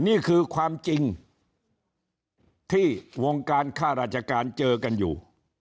นี่คือความจริงที่วงการค่าราชการเจอกันอยู่